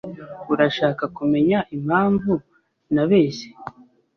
Urashaka kumenya impamvu nabeshye ?